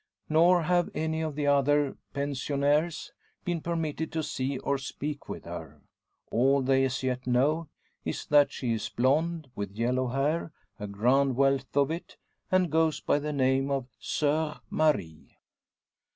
Nor have any of the other pensionnaires been permitted to see or speak with her. All they as yet know is, that she is a blonde, with yellow hair a grand wealth of it and goes by the name of "Soeur Marie."